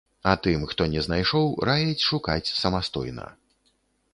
А тым, хто не знайшоў, раяць шукаць самастойна.